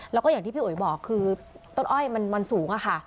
แล้วก็อย่างที่พี่อุ๋ยบอกคือต้นอ้อยมันสูงค่ะ